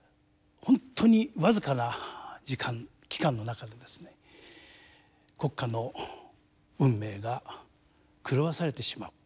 本当に僅かな時間期間の中で国家の運命が狂わされてしまう。